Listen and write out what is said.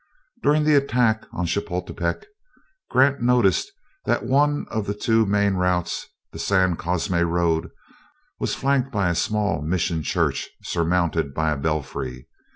During the attack upon Chapultepec, Grant noticed that one of the two main routes, the San Cosme road, was flanked by a small mission church surmounted by a belfry.